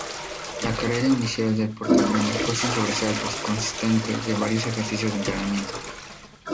La carrera inicial del portaaviones fue sin sobresaltos, consistente de varios ejercicios de entrenamiento.